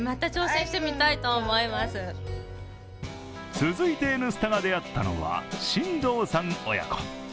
続いて「Ｎスタ」が出会ったのは新藤さん親子。